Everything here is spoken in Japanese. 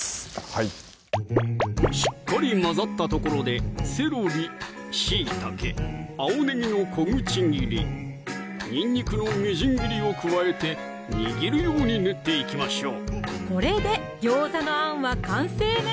はいしっかり混ざったところでセロリ・しいたけ・青ねぎの小口切り・にんにくのみじん切りを加えて握るように練っていきましょう